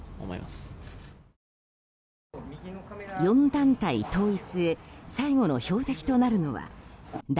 ４団体統一へ最後の標的となるのは。